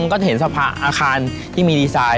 มันก็เห็นสะพานอาคารที่มีดีไซน์